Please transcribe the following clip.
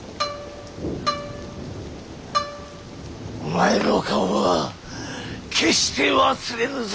「お前の顔は決して忘れぬぞ」。